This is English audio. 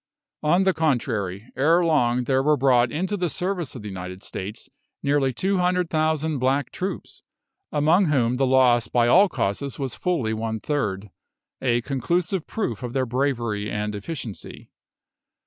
On the contrary, ere long there were brought into the service of the United States nearly 200,000 black troops, among whom the loss by all causes was fully one third a conclusive proof of their bravery and efficiency.